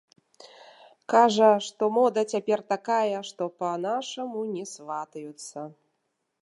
Кажа, што мода цяпер такая, што па-нашаму не сватаюцца.